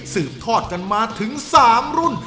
สืบทอดกันมาถึง๓รุ่น